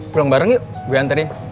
pulang bareng yuk gue anterin